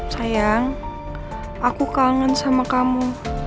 sayang aku kangen sama kamu